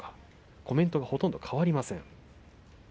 コメントがほとんど変わりません。